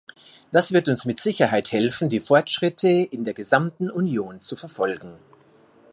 Das wird uns mit Sicherheit helfen, die Fortschritte in der gesamten Union zu verfolgen.